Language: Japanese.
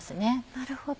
なるほど。